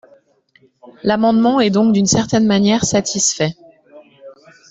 L’amendement est donc d’une certaine manière satisfait.